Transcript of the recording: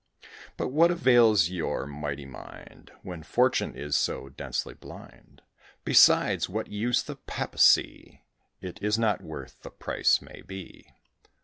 "But what avails your mighty mind, When Fortune is so densely blind? Besides, what use the Papacy? It is not worth the price, may be."